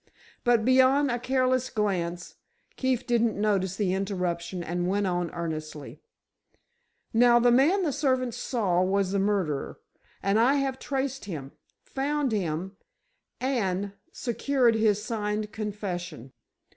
But beyond a careless glance, Keefe didn't notice the interruption and went on, earnestly: "Now, the man the servants saw was the murderer. And I have traced him, found him, and—secured his signed confession."